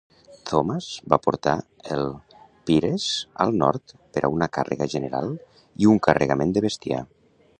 Thomas va portar el "Peeress" al nord per a una càrrega general i un carregament de bestiar.